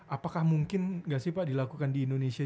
apakah mungkin nggak sih pak dilakukan di indonesia